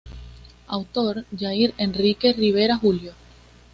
Autor: Yair Enrique Rivera Julio.